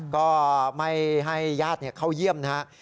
ก็ไม่ให้ญาติเข้าเยี่ยมนะครับ